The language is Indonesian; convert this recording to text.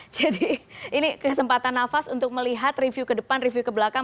jadi ini kesempatan nafas untuk melihat review ke depan review ke belakang